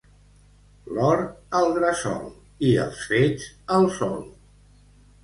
L'or, al gresol; i els fets, al sol.